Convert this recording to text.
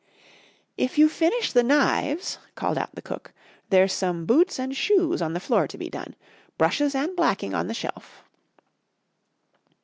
"If you've finished the knives," called out the cook, "there's some boots and shoes on the floor to be done. Brushes an' blacking on the shelf."